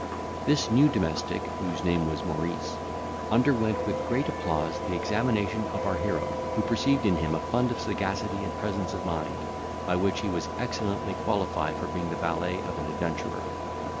This new domestic, whose name was Maurice, underwent, with great applause, the examination of our hero, who perceived in him a fund of sagacity and presence of mind, by which he was excellently qualified for being the valet of an adventurer.